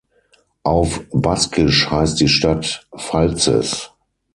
Auf Baskisch heißt die Stadt „Faltzes“.